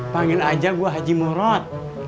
banggil aja gua haji murot